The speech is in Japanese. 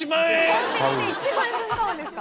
コンビニで１万円分買うんですか？